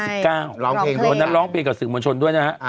เพราะฉะนั้นร้องเปลี่ยนกับสื่อมวลชนด้วยนะครับ